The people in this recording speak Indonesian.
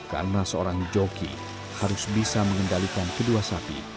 karena seorang joki harus bisa mengendalikan kedua sapi